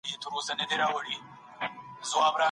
انسان د اسبابو په برابرولو مکلف دی.